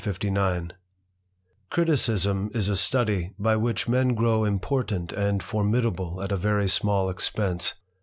pRITICISM is a study by which men grow important and formidable at a very small expense.